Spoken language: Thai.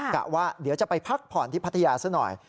กะว่าเดี๋ยวจะไปพักผ่อนที่พัทยาซะหน่อย